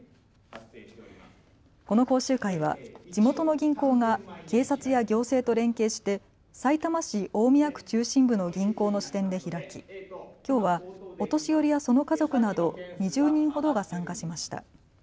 この講習会は地元の銀行が警察や行政と連携してさいたま市大宮区中心部の銀行の支店で開ききょうはお年寄りやその家族など２０人ほどが参加しました。